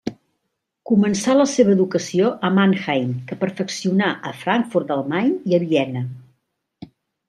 Començà la seva educació a Mannheim, que perfeccionà a Frankfurt del Main i a Viena.